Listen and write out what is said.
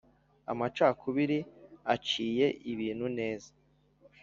Amacakubiri aciye ibintu neza